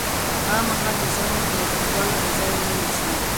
هغه مهال چې زغم وي، تاوتریخوالی به ځای ونه نیسي.